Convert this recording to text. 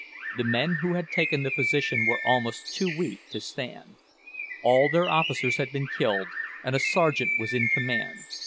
The men who had taken the position were almost too weak to stand. All their officers had been killed, and a sergeant was in command.